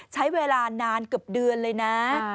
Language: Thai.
ใช้เวลานานเกือบเดือนเลยนะ